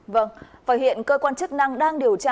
và hiện cơ quan chức năng đang điều tra